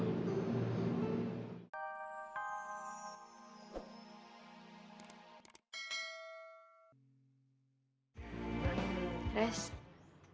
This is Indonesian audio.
nanti gue kasih tau